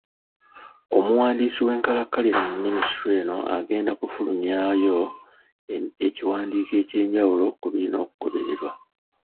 Omuwandiisi w'enkalakkalira mu minisitule eno agenda kufulumyawo ekiwandiiko ekyenjawulo ku birina okugoberera.